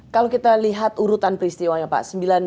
kalau kita lihat urutan peristiwanya pak